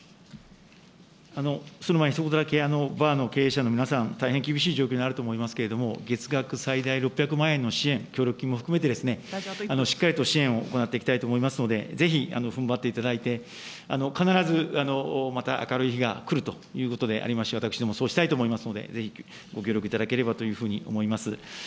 その前に一言だけ、バーの経営者の皆さん、大変厳しい状況にあると思いますけれども、月額最大６００万円の支援、協力金も含めて、しっかりと支援を行っていきたいと思いますので、ぜひふんばっていただいて、必ずまた明るい日が来るということでありますし、私ども、そうしたいと思いますので、ぜひご協力いただければと思います。